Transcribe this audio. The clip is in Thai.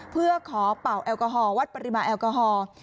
เพื่อขอเป่าแอลกอฮอลวัดปริมาณแอลกอฮอล์